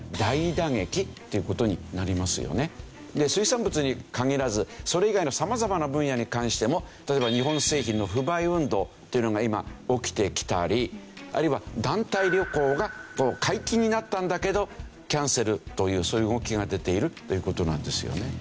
で水産物に限らずそれ以外の様々な分野に関しても例えば日本製品の不買運動というのが今起きてきたりあるいは団体旅行が解禁になったんだけどキャンセルというそういう動きが出ているという事なんですよね。